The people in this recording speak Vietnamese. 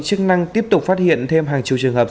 chức năng tiếp tục phát hiện thêm hàng chục trường hợp